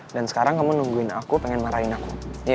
dan sekarang kamu nungguin aku pengen marahin aku